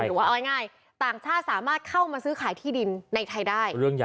หรือว่าเอาง่ายต่างชาติสามารถเข้ามาซื้อขายที่ดินในไทยได้